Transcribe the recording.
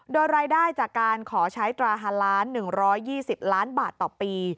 โดยรายได้จากการขอใช้ตรา๕ล้าน๑๒๐ล้านบาทต่อปี